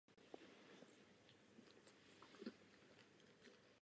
Přes vysoké ztráty na straně Britů a Francouzů však nedošlo k zásadnímu průlomu.